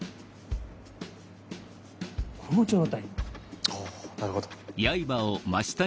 この状態。はなるほど。